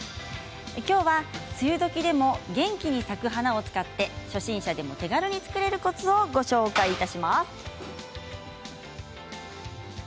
きょうは梅雨時でも元気に咲く花を使って初心者でも、手軽に作れるコツをご紹介いたします。